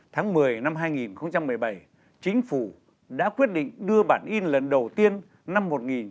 tháng một mươi năm hai nghìn một mươi bảy chính phủ đã quyết định đưa bản in lần đầu tiên năm một nghìn chín trăm bảy mươi